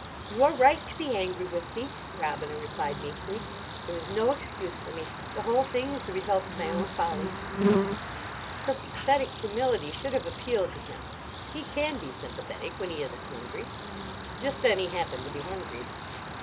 "You are right to be angry with me," Robina replied meekly; "there is no excuse for me. The whole thing is the result of my own folly." Her pathetic humility should have appealed to him. He can be sympathetic, when he isn't hungry. Just then he happened to be hungry.